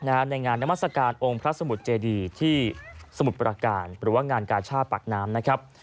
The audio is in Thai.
ในงานนามัศกาลองค์พระสมุทรเจดีที่สมุทรประการหรือว่างานกาชาติปากน้ำนะครับ